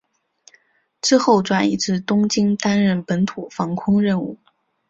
之后转移至东京担任本土防空任务。